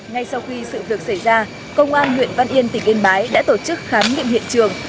ngay sau khi sự việc xảy ra công an huyện văn yên tỉnh yên bái đã tổ chức khám nghiệm hiện trường